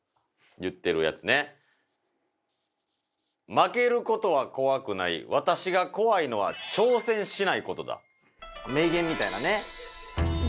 「負けることは怖くない私が怖いのは挑戦しないことだ」。